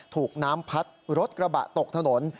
ถูกน้ำพัดรถกระบะตกถนน